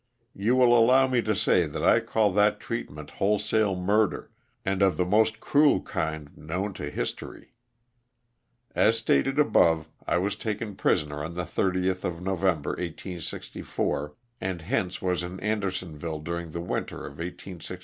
You will allow me to say that I call that treatment whole sale murder and that of the most cruel kind known to history. As stated above I was taken prisoner on the 30th of November, 1864, and hence was in Anderson ville during the winter of 1864 and 1865.